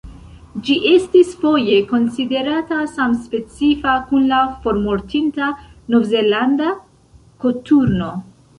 Ĝi estis foje konsiderata samspecifa kun la formortinta Novzelanda koturno.